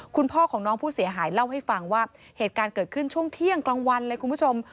คุณพ่อของน้องผู้เสียหายเล่าให้ฟังว่าเหตุการณ์เกิดขึ้นช่วงเที่ยงกลางวันเลยคุณผู้ชม